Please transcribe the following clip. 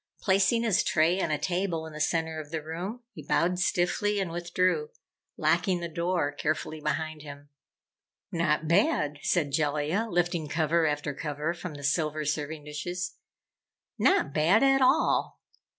Placing his tray on a table in the center of the room, he bowed stiffly and withdrew, locking the door carefully behind him. "Not bad," said Jellia, lifting cover after cover from the silver serving dishes. "Not bad at all!